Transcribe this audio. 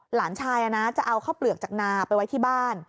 หลานชายจะเอาข้าวเปลือกจากนาไปไว้ที่บ้าน